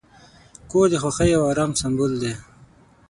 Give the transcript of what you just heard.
کور د خوښۍ او آرام سمبول دی.